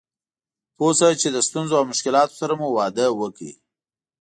پوه شه چې له ستونزو او مشکلاتو سره مو واده وکړ.